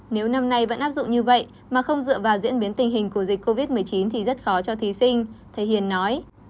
nếu năm nay vẫn áp dụng như vậy mà không dựa vào diễn biến tình hình của dịch covid một mươi chín thì rất khó cho thí sinh thầy hiền nói